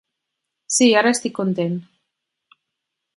Sí, ara estic content.